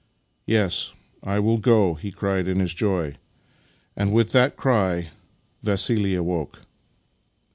" Yes, I will go! " he cried in his joy, and with that cry Vassili awoke.